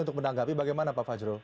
untuk menanggapi bagaimana pak fajrul